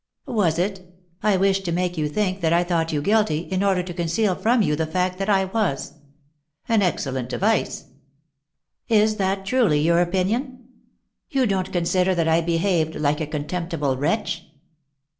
" Was it ? I wished to make 70a think that I thought yon guilty in order to conceal from yon the nict that I was." "An excellent device." " Is that truly your opinion ? You don't consider that I behaved like a contemptible wretch